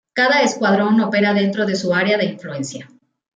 Cada escuadrón opera dentro de su área de influencia.